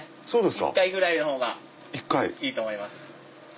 １回ぐらいのほうがいいと思います。